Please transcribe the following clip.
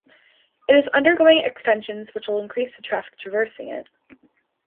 It is undergoing extensions which will increase the traffic traversing it.